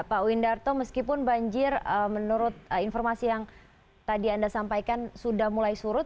pak windarto meskipun banjir menurut informasi yang tadi anda sampaikan sudah mulai surut